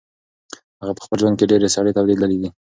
هغه په خپل ژوند کې ډېرې سړې تودې لیدلې دي.